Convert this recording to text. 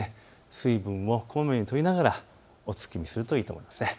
水分をこまめにとりながらお月見するといいと思います。